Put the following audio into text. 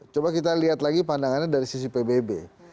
coba kita lihat lagi pandangannya dari sisi pbb